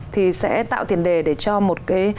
thì sẽ tạo tiền đề để cho một cái